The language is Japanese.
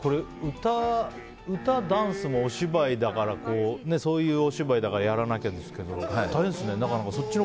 歌、ダンスもお芝居だからそういうお芝居だからやらなきゃですけど大変ですね。